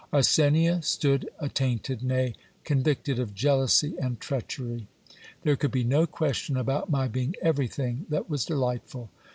Arsenia stood attainted, nay, con victed of jealousy and treachery. There could be no question about my being everything that was' delightful.